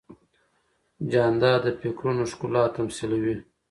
جانداد د فکرونو ښکلا تمثیلوي.